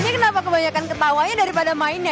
ini kenapa kebanyakan ketawanya daripada mainnya